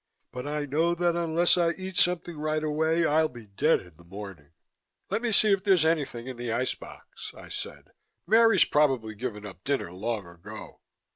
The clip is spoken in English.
But I know that unless I eat something right away I'll be dead in the morning." "Let's see if there's anything in the ice box," I said. "Mary's probably given up dinner long ago."